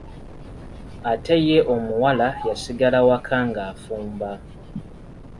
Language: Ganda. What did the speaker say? Ate ye omuwala yasigala waka ng'afumba.